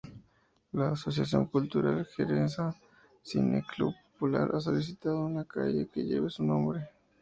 La asociación cultural jerezana Cine-Club Popular ha solicitado una calle que lleve su nombre.